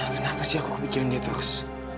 kenapa sih aku kebijakannya terus